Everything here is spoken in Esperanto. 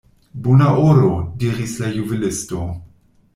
Bona oro, diris la juvelisto.